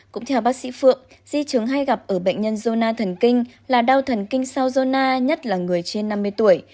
cũng theo bác sĩ phượng di chứng hay gặp ở bệnh nhân zona thần kinh là đau thần kinh sao nhất là người trên năm mươi tuổi